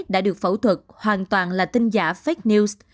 đã được phẫu thuật hoàn toàn là tin giả fake news